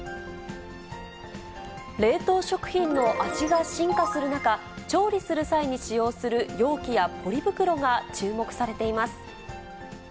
冷凍食品の味が進化する中、調理する際に使用する容器やポリ袋が注目されています。